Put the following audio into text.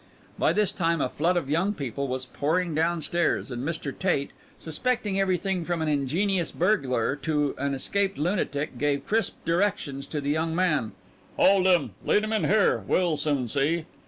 By this time a flood of young people was pouring down stairs, and Mr. Tate, suspecting everything from an ingenious burglar to an escaped lunatic, gave crisp directions to the young man: "Hold him! Lead him in here; we'll soon see."